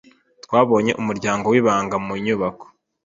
Twabonye umuryango wibanga mu nyubako.